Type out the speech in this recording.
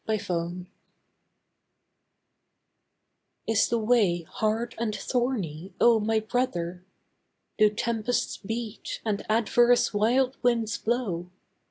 SYMPATHY Is the way hard and thorny, oh, my brother? Do tempests beat, and adverse wild winds blow?